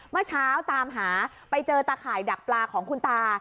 เมื่อเช้าตามหาไปเจอตาข่ายดักปลาของคุณตา